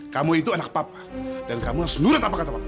kamu itu anak papa dan kamu harus nurut apa kata bapak